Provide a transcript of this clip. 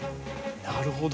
なるほど。